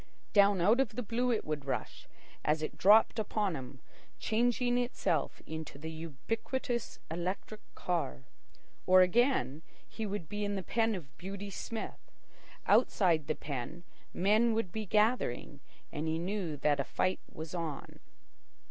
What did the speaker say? Down out of the blue it would rush, as it dropped upon him changing itself into the ubiquitous electric car. Or again, he would be in the pen of Beauty Smith. Outside the pen, men would be gathering, and he knew that a fight was on.